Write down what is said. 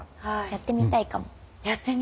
やってみたいです。